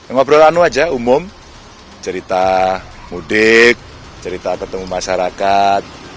ngobrol anu aja umum cerita mudik cerita ketemu masyarakat